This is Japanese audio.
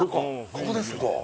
ここですね。